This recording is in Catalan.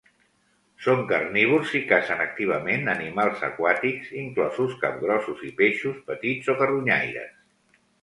Són carnívors i cacen activament animals aquàtics, inclosos capgrossos i peixos petits, o carronyaires.